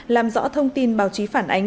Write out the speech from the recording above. làm rõ thông tin báo chí phản ánh